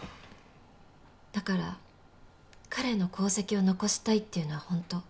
だから彼の功績を残したいっていうのはホント。